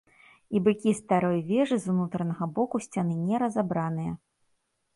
І быкі старой вежы з унутранага боку сцяны не разабраныя.